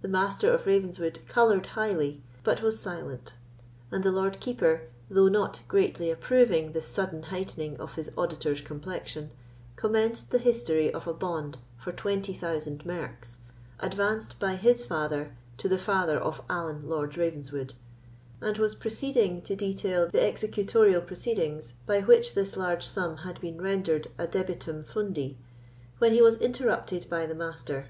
The Master of Ravenswood coloured highly, but was silent; and the Lord Keeper, though not greatly approving the sudden heightening of his auditor's complexion, commenced the history of a bond for twenty thousand marks, advanced by his father to the father of Allan Lord Ravenswood, and was proceeding to detail the executorial proceedings by which this large sum had been rendered a debitum fundi, when he was interrupted by the Master.